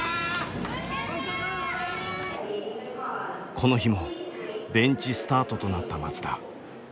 この日もベンチスタートとなった松田。